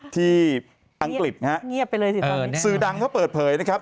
ที่อังกฤษนะครับสื่อดังพวกเขาเปิดเผยนะครับ